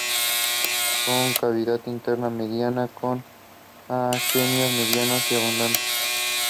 All it has is an illogical love story at the heart of it.